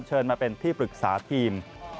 เชิญมาเป็นที่ปรึกษาทีม